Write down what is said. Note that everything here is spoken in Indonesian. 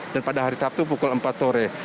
dan pada hari sabtu pukul empat sore